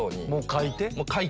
書いて。